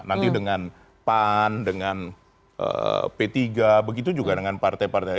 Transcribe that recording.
nanti dengan pan dengan p tiga begitu juga dengan partai partai